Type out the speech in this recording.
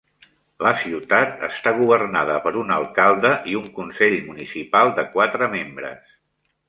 La ciutat està governada per un alcalde i un consell municipal de quatre membres.